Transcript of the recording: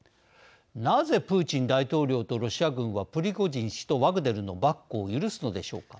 なぜプーチン大統領とロシア軍はプリゴジン氏とワグネルのばっこを許すのでしょうか。